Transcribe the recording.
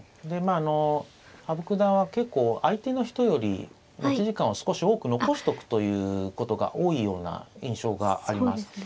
でまああの羽生九段は結構相手の人より持ち時間を少し多く残しておくということが多いような印象があります。